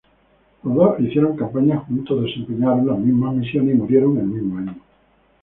Los dos hicieron campaña juntos, desempeñaron las mismas misiones y murieron el mismo año.